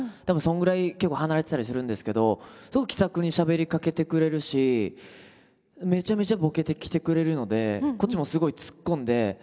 でもそんぐらい結構離れてたりするんですけどすごい気さくにしゃべりかけてくれるしめちゃめちゃボケてきてくれるのでこっちもすごいツッコんで。